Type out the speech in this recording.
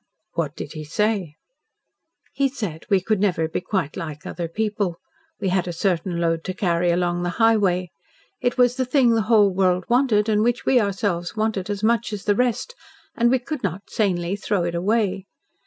"What did he say?" "He said we could never be quite like other people. We had a certain load to carry along the highway. It was the thing the whole world wanted and which we ourselves wanted as much as the rest, and we could not sanely throw it away.